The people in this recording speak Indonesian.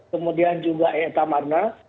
kemudian juga eta marna